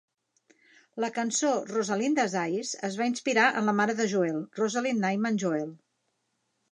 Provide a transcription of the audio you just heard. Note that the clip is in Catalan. La cançó "Rosalinda's Eyes" es va inspirar en la mare de Joel, Rosalind Nyman Joel.